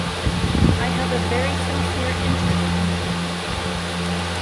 I have a very sincere interest in her.